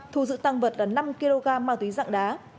thu giữ tăng vật là năm kg ma túy dạng đá